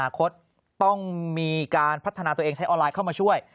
ต้องมีการพัฒนาตัวเองใช้ออนไลน์เข้ามาช่วย